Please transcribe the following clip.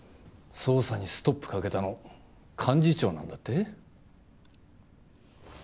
捜査にストップかけたの幹事長なんだって？